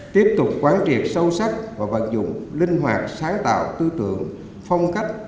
tiếp tục quán triệt sâu sắc và vận dụng linh hoạt sáng tạo tư tưởng phong cách